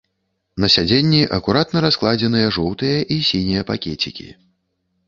На сядзенні акуратна раскладзеныя жоўтыя і сінія пакецікі.